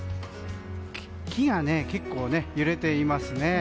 木が結構揺れていますね。